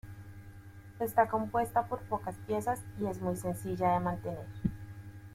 Está compuesta por pocas piezas y es muy sencilla de mantener.